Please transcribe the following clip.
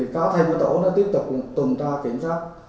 các thành phố tổ tiếp tục tuần tra kiểm soát